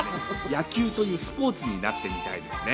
野球というスポーツになってみたいですね。